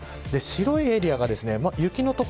白いエリアが雪の所